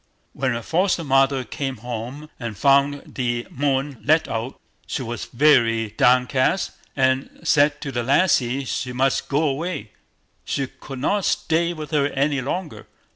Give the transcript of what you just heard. When her foster mother came home and found the Moon let out, she was very downcast, and said to the lassie she must go away, she could not stay with her any longer.